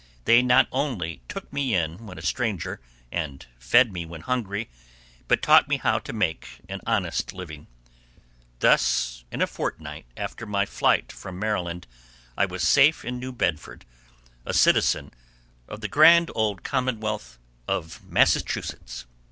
They not only "took me in when a stranger" and "fed me when hungry," but taught me how to make an honest living. Thus, in a fortnight after my flight from Maryland, I was safe in New Bedford, a citizen of the grand old commonwealth of Massachusetts.